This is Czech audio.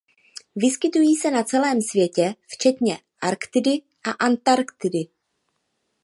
Vyskytují se na celém světě včetně Arktidy a Antarktidy.